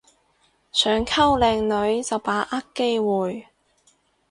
想溝靚女就把握機會